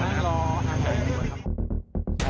มาร้อมาถ่ายกันดีกว่าครับ